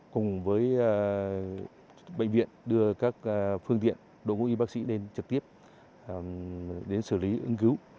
cùng với bệnh viện đưa các phương tiện đội ngũ y bác sĩ đến trực tiếp đến xử lý ứng cứu